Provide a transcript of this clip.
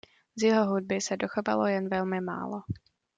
Z jeho hudby se dochovalo jen velmi málo.